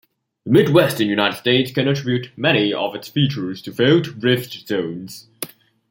The Midwestern United States can attribute many of its features to failed rift zones.